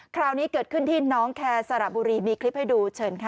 คราวนี้เกิดขึ้นที่น้องแคร์สระบุรีมีคลิปให้ดูเชิญค่ะ